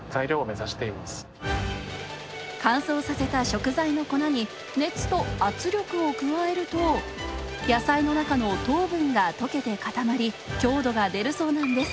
乾燥させた食材の粉に熱と圧力を加えると野菜の中の糖分が溶けて固まり強度が出るそうなんです。